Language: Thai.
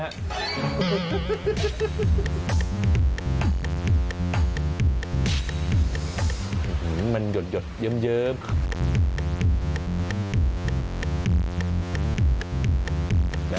อื้อมันหยดเยอะ